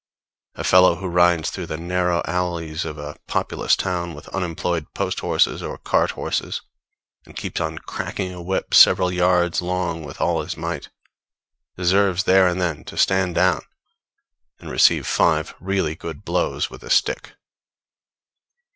A fellow who rides through the narrow alleys of a populous town with unemployed post horses or cart horses, and keeps on cracking a whip several yards long with all his might, deserves there and then to stand down and receive five really good blows with a stick.